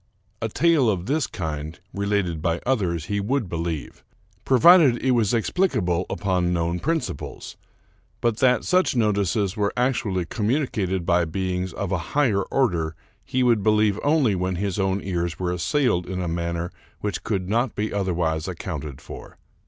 A tale of this kind, related by others, he would believe, provided it was explicable upon known principles ; but that such notices were actually com municated by beings of a higher order he would believe only when his own ears were assailed in a manner which could not be otherwise accounted for.